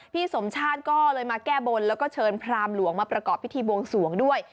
สมชาติก็เลยมาแก้บนแล้วก็เชิญพรามหลวงมาประกอบพิธีบวงสวงด้วย